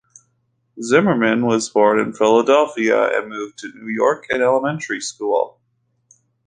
Zimmerman was born in Philadelphia and moved to New York in elementary school.